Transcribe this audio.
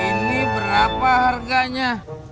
ini berapa harganya